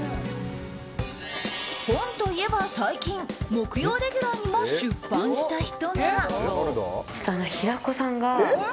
本といえば最近木曜レギュラーにも出版した人が。